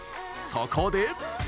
そこで。